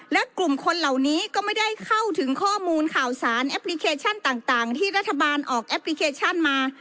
และกลุ่มคนเหล่านี้ก็ไม่ได้เข้าถึงข้อมูลข่าวสารแอปพลิเคชันต่างที่รัฐบาลออกแอปพลิเคชันมา